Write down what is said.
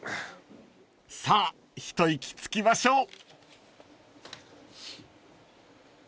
［さあ一息つきましょう］